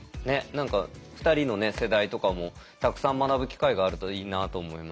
何か２人の世代とかもたくさん学ぶ機会があるといいなと思いました。